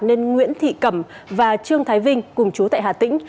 nên nguyễn thị cẩm và trương thái vinh cùng chú tại hà tĩnh